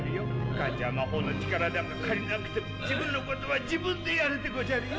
カンちゃん魔法の力なんか借りなくても自分のことは自分でやるでごじゃるよ。